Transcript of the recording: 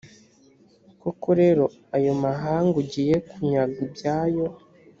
koko rero ayo mahanga ugiye kunyaga ibyayo,